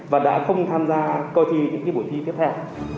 và đã không tham gia coi thi những buổi thi tiếp theo